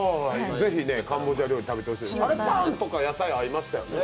ぜひカンボジア料理食べてほしいですね。